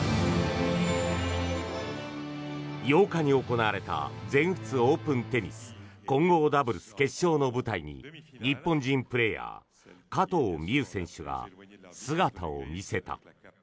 ８日に行われた全仏オープンテニス混合ダブルス決勝の舞台に日本人プレーヤー加藤未唯選手が姿を見せた。